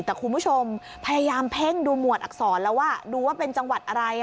แต่คุณผู้ชมพยายามเพ่งดูหวดอักษรแล้วว่าดูว่าเป็นจังหวัดอะไร